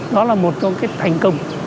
đó là một cái thành công